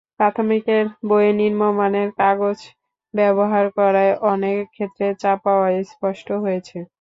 প্রাথমিকের বইয়ে নিম্নমানের কাগজ ব্যবহার করায় অনেক ক্ষেত্রে ছাপা অস্পষ্ট হয়েছে।